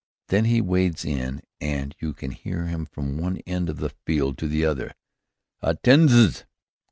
Then he wades in and you can hear him from one end of the field to the other. _Attendez!